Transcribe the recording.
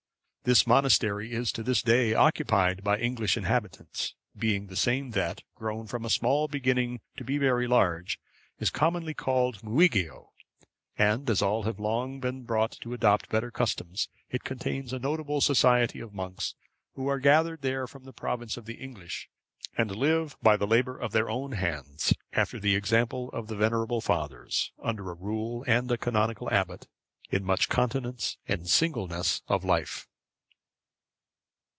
This monastery is to this day occupied by English inhabitants; being the same that, grown from a small beginning to be very large, is commonly called Muigeo; and as all have long since been brought to adopt better customs, it contains a notable society of monks, who are gathered there from the province of the English, and live by the labour of their own hands, after the example of the venerable fathers, under a rule and a canonical abbot, in much continence and singleness of life.